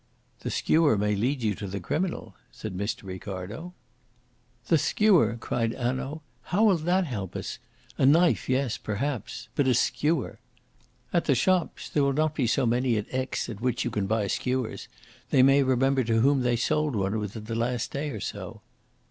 "The skewer may lead you to the criminal," said Mr. Ricardo. "The skewer!" cried Hanaud. "How will that help us? A knife, yes perhaps. But a skewer!" "At the shops there will not be so many in Aix at which you can buy skewers they may remember to whom they sold one within the last day or so."